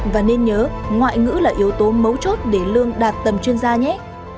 và nên nhớ ngoại ngữ là yếu tố mấu chốt để lương đạt tầm chuyên gia nhé